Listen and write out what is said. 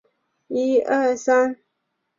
玉祖神社是位在日本山口县防府市的神社。